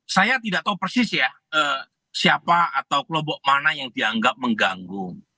saya tidak tahu persis ya siapa atau kelompok mana yang dianggap mengganggu